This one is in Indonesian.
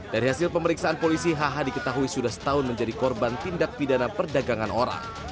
dari hasil pemeriksaan polisi hh diketahui sudah setahun menjadi korban tindak pidana perdagangan orang